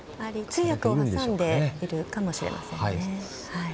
通訳を挟んでいるかもしれませんね。